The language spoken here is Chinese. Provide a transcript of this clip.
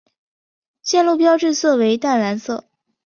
线路标志色为淡蓝色。